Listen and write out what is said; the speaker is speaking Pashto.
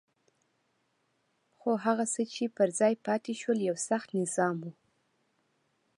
خو هغه څه چې پر ځای پاتې شول یو سخت نظام وو.